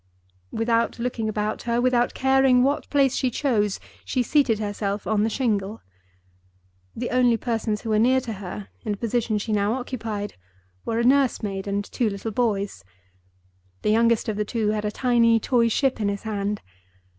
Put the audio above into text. Without looking about her, without caring what place she chose, she seated herself on the shingle. The only persons who were near to her, in the position she now occupied, were a nursemaid and two little boys. The youngest of the two had a tiny toy ship in his hand.